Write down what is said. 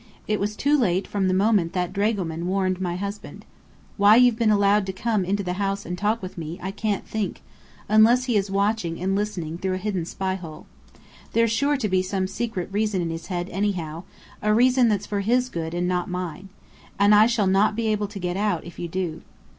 It was too late from the moment that dragoman warned my husband. Why you've been allowed to come into the house and talk with me, I can't think, unless he is watching and listening through a hidden spyhole. There's sure to be some secret reason in his head, anyhow a reason that's for his good and not mine. And I shall not be able to get out, if you do."